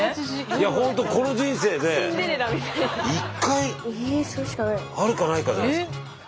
いやほんとこの人生で１回あるかないかじゃないですか。